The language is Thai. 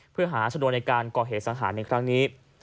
เพื่อหาชนวนในการก่อเหตุสังหารในครั้งนี้